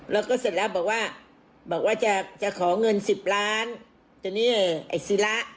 แล้วก็เสร็จแล้วบอกว่าจะของเงิน๑๐ล้านสิล่ะ